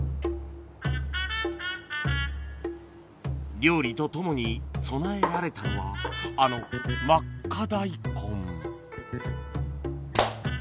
料理と共に供えられたのはあの「まっか大根」